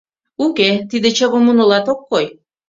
Уке, тиде чыве мунылат ок кой.